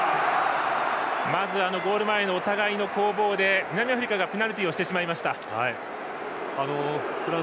まずゴール前のお互いの攻防で南アフリカがペナルティーをしてしまいました。